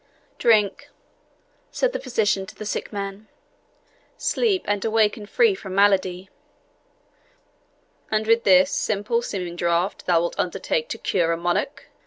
"Drink," said the physician to the sick man "sleep, and awaken free from malady." "And with this simple seeming draught thou wilt undertake to cure a monarch?"